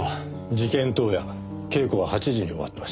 事件当夜稽古は８時に終わってました。